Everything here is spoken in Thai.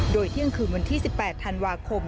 โดยเที่ยงคืนวันที่๑๘ธันวาคม